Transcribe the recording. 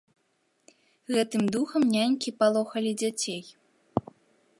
Гэтым духам нянькі палохалі дзяцей.